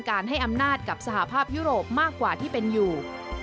ให้อำนาจกับสหภาพยุโรปมากกว่าที่เป็นอยู่